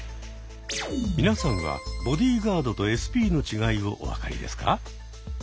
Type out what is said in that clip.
皆さんはボディーガードとＳＰの違いをお分かりですか？